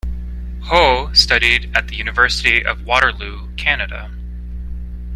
Ho studied at the University of Waterloo, Canada.